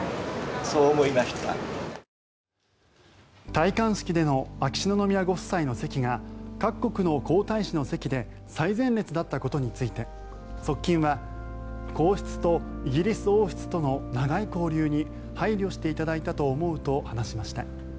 戴冠式での秋篠宮ご夫妻の席が各国の皇太子の席で最前列だったことについて側近は、皇室とイギリス王室との長い交流に配慮していただいたと思うと話しました。